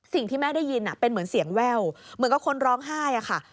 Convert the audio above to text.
สิ่งที่แม่ได้ยินเป็นเหมือนเสียงแว่วเหมือนกับคนร้องไห้อะค่ะ